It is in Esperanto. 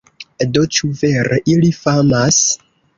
Do ĉu vere ili famas?